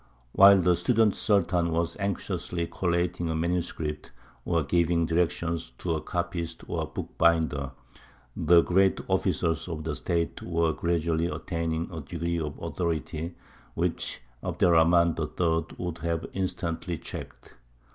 While the student Sultan was anxiously collating a manuscript, or giving directions to a copyist or bookbinder, the great officers of the State were gradually attaining a degree of authority which Abd er Rahmān III. would have instantly checked.